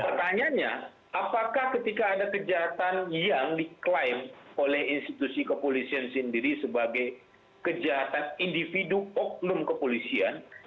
pertanyaannya apakah ketika ada kejahatan yang diklaim oleh institusi kepolisian sendiri sebagai kejahatan individu oknum kepolisian